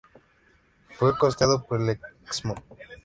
Fue costeado por el Excmo.